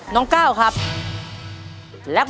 น้องกล้าว